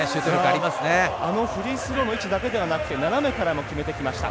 あのフリースローの位置だけではなくて斜めからも決めてきました。